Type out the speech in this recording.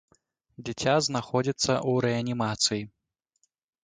Дзіця знаходзіцца ў рэанімацыі.